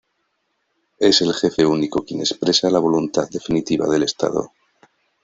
Es el jefe único quien expresa la voluntad definitiva del Estado.